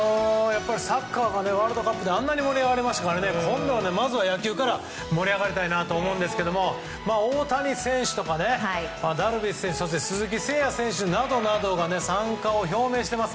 サッカーはワールドカップであんなに盛り上がりましたから今度はまずは野球から盛り上がりたいなと思いますが大谷選手とかダルビッシュ選手、そして鈴木誠也選手などなど参加を表明しています。